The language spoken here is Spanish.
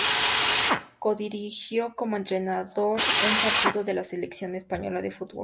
Codirigió como entrenador un partido de la Selección Española de fútbol.